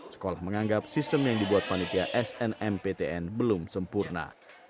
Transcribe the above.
sekolah menganggap sistem yang dibuat panitia snmptn belum sempurna